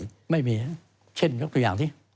ไม่มีนะเช่นอย่างที่